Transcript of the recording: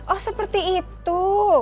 oh seperti itu